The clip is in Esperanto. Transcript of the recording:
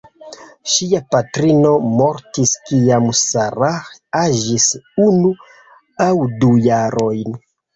Ŝia patrino mortis kiam Sarah aĝis unu aŭ du jarojn.